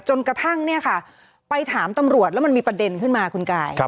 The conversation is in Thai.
จนกระทั่งเนี่ยค่ะไปถามตำรวจแล้วมันมีประเด็นขึ้นมาคุณกาย